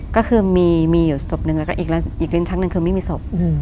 ก็คือมีอยู่ศพหนึ่งแล้วก็อีกลิ้นชักหนึ่งคือไม่มีศพ